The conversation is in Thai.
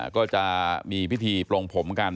ก็จะมีพิธีปลงผมกัน